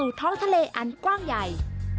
กลางสู่ท้องทะเลอันกว้างใหญ่